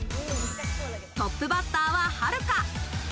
トップバッターは、はるか。